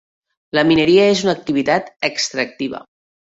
La mineria és una activitat extractiva.